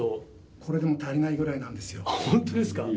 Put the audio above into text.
これでも、足りないぐらいな本当ですか？